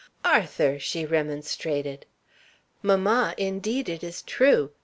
"Arthur!" she remonstrated. "Mamma, indeed it is true.